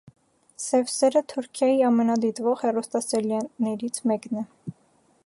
Սև սերը Թուրքիայի ամենադիտվող հեռուստասերիալներից մեկն է։